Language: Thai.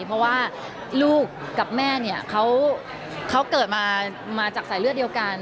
เพราะว่าลูกกับแม่เนี่ยเขาเกิดมาจากสายเลือดเดียวกัน